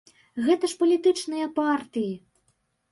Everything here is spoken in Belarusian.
Гэта ж палітычныя партыі!